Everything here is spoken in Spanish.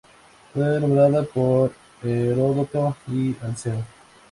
Fue nombrada por Heródoto y Alceo.